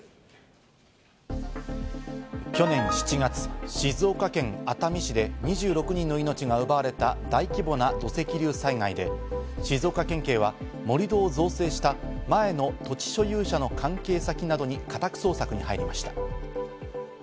去年７月、静岡県熱海市で２６人の命が奪われた大規模な土石流災害で、静岡県警は盛り土を造成した前の土地所有者の関係先などに家宅捜索に入りました。